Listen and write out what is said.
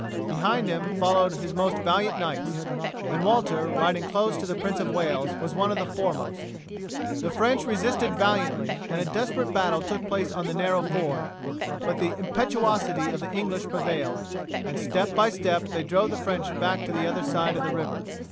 Behind him followed his most valiant knights, and Walter riding close to the Prince of Wales was one of the foremost. The French resisted valiantly and a desperate battle took place on the narrow ford, but the impetuosity of the English prevailed, and step by step they drove the French back to the other side of the river.